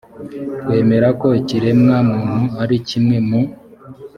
twemera ko ikiremwa muntu ari kimwe mu